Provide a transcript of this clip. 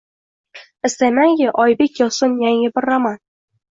Istaymanki, Oybek yozsin yangi bir roman